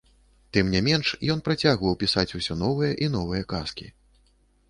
Тым не менш ён працягваў пісаць усё новыя і новыя казкі.